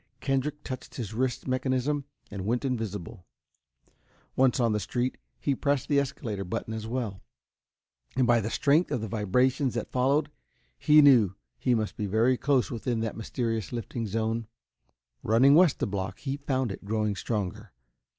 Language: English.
Kendrick touched his wrist mechanism and went invisible. Once on the street, he pressed the escalator button as well and by the strength of the vibrations that followed, he knew he must be very close within that mysterious lifting zone. Running west a block, he found it growing stronger.